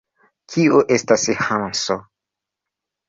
Kio estas Hanso?